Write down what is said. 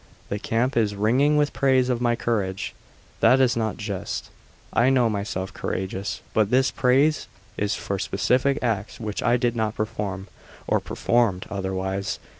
The camp is ringing with praise of my courage. That is not just; I know myself courageous, but this praise is for specific acts which I did not perform, or performed otherwise.